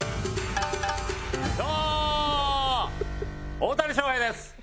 大谷翔平です！